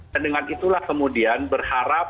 dan dengan itulah kemudian berharap